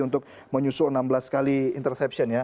untuk menyusul enam belas kali interception ya